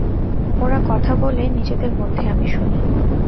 ওরা কথা বলে নিজেদের মধ্যে, আমি শুনি।